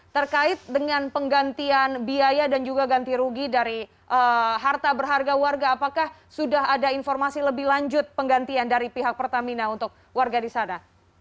terkait dengan penggantian biaya dan juga ganti rugi dari harta berharga warga apakah sudah ada informasi lebih lanjut penggantian dari pihak pertamina untuk warga di sana